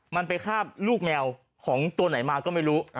มันไปคาบลูกแมวของตัวไหนมาก็ไม่รู้